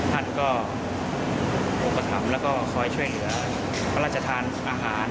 ท่านก็อุปถัมภ์แล้วก็คอยช่วยเหลือพระราชทานอาหาร